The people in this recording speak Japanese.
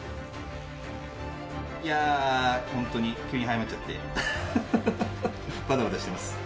いやー、本当に、急に早まっちゃって、ばたばたしてます。